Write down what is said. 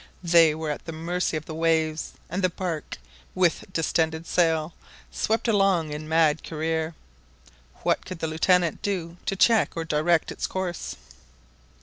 They were at the mercy of the waves, and the bark, with distended sail, swept along in mad career. What could the Lieutenant do to check or direct its course?